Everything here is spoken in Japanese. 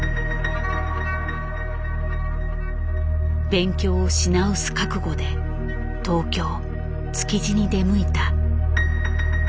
勉強をし直す覚悟で東京・築地に出向いた。